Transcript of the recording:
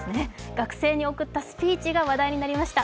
学生に送ったスピーチが話題になりました。